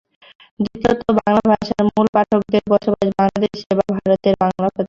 দ্বিতীয়ত বাংলা ভাষার মূল পাঠকদের বসবাস বাংলাদেশে বা ভারতের বাংলা প্রদেশে।